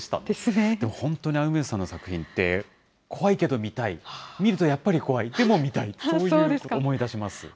でも本当に楳図さんの作品って、怖いけど見たい、見るとやっぱり怖い、でも見たいと、そういうことを思い出します。